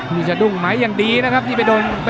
นี่สะดุ้งไหมอย่างดีนะครับที่ไปโดน